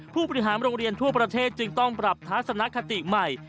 ผู้บริหารโรงเรียนทั่วประเทศจึงต้องปรับทัศนคติใหม่